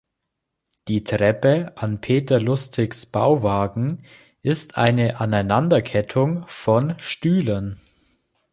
Die Treppe an Peter Lustigs Bauwagen ist eine Aneinanderkettung von Stühlen.